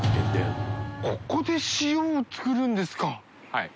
はい。